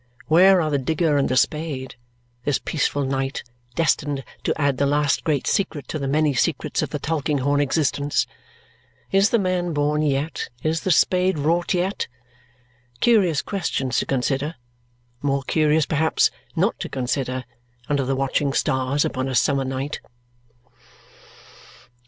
Where are the digger and the spade, this peaceful night, destined to add the last great secret to the many secrets of the Tulkinghorn existence? Is the man born yet, is the spade wrought yet? Curious questions to consider, more curious perhaps not to consider, under the watching stars upon a summer night.